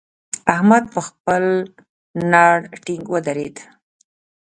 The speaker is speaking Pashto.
احمد پر خپل ناړ ټينګ ودرېد.